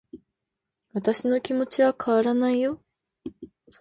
私の気持ちは変わらないよ